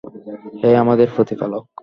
হে আমাদের প্রতিপালক!